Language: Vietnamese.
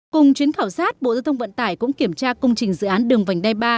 cùng chuyến khảo sát bộ giao thông vận tải cũng kiểm tra công trình dự án đường vành đai ba